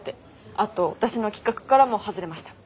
あと私の企画からも外れました。